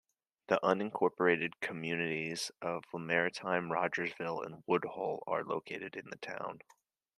The unincorporated communities of Lamartine, Rogersville, and Woodhull are located in the town.